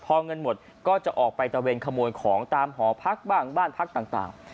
พอเงินหมดก็จะออกไปตะเวนขโมยของตามหอพักบ้างบ้านพักต่าง